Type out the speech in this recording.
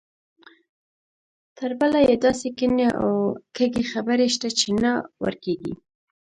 تربله یې داسې کینې او کږې خبرې شته چې نه ورکېږي.